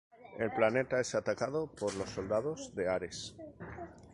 El planeta es atacado por los soldados de Ares.